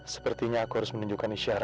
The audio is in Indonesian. sepertinya aku harus menunjukkan isyarat